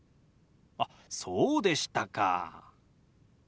あっそうでしたか。